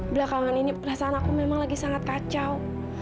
belakangan ini perasaan aku memang lagi sangat kacau